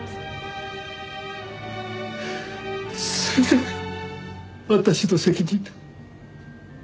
全て私の責任だ。